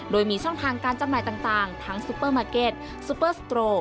โดยมีช่องทางการจำหน่ายต่างทั้งซูเปอร์มาร์เก็ตซุปเปอร์สโตร